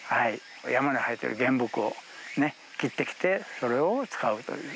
山に生えてる原木を切ってきて、それを使うという。